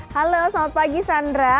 halo selamat pagi sandra